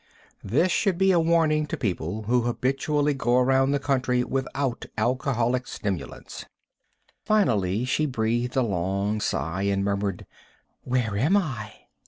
This should be a warning to people who habitually go around the country without alcoholic stimulants. Finally she breathed a long sigh and murmured, "where am I?"